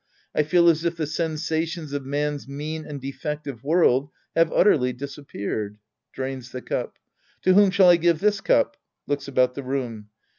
I feel as if the sensations of man's mean and defective world have utterly disappeared. {Drains the cup.) To whom shall I give this cup ? {Looks about the room.)